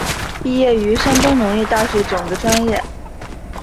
毕业于山东农业大学种子专业。